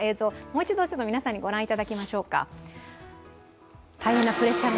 もう一度、皆さんに御覧いただきましょうか。